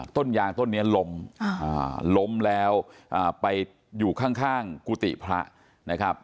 ต้นยางต้นนี้ล้มล้มแล้วไปอยู่ข้างกุฏิพระนะครับ